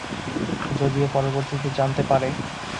যদিও পরবর্তীতে জানতে পারে।